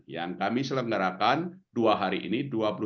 yang kami selenggarakan dua hari ini